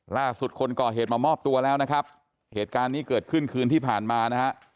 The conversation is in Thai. คนก่อเหตุมามอบตัวแล้วนะครับเหตุการณ์นี้เกิดขึ้นคืนที่ผ่านมานะฮะ